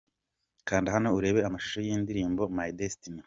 Kanda hano urebe amashusho y'indirimbo 'My Destiny'.